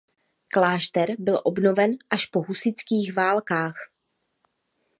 Klášter byl obnoven až po husitských válkách.